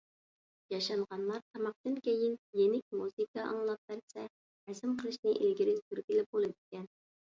ياشانغانلار تاماقتىن كېيىن يېنىك مۇزىكا ئاڭلاپ بەرسە، ھەزىم قىلىشنى ئىلگىرى سۈرگىلى بولىدىكەن.